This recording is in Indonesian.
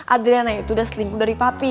adrena itu udah selingkuh dari papi